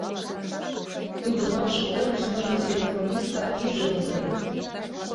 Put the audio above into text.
Кӱлдымашым ойлыштмыжым телефонистка иже умылен.